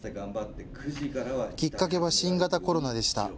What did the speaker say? きっかけは新型コロナでした。